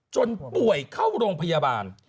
จนป่วยเข้าโรงพยาบาล